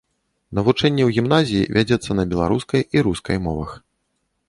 Навучэнне ў гімназіі вядзецца на беларускай і рускай мовах.